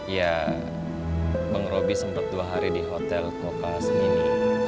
ya bang robby sempet dua hari di hotel koka semini